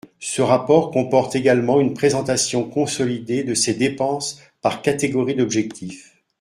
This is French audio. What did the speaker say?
Ce rapport comporte également une présentation consolidée de ces dépenses par catégories d’objectifs.